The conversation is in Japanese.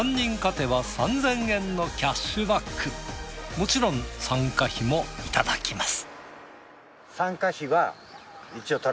もちろん参加費もいただきます。